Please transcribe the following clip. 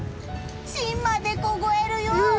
芯まで凍えるよ。